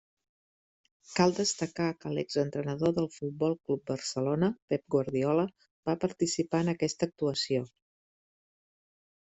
Cal destacar que l'exentrenador del Futbol Club Barcelona, Pep Guardiola, va participar en aquesta actuació.